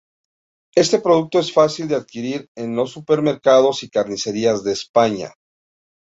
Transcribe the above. Este producto es fácil de adquirir en los supermercados y carnicerías de España.